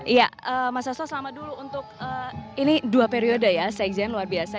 iya mas sasto selamat dulu untuk ini dua periode ya sekjen luar biasa